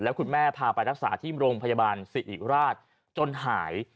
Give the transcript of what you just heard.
คุณแม่พาไปรักษาที่โรงพยาบาลสิริราชจนหาย